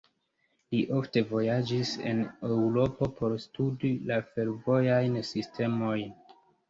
Li ofte vojaĝis en Eŭropo por studi la fervojajn sistemojn.